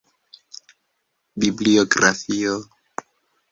Bibliografio.